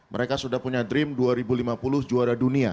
mereka sudah punya dream dua ribu lima puluh juara dunia